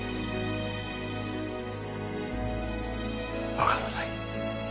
わからない。